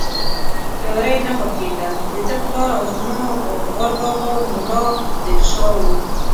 تیاره یې نه خوښېده، دده پلار او زما غور بابا ملا دل شاه و.